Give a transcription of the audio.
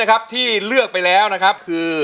เพลงนี้ที่๕หมื่นบาทแล้วน้องแคน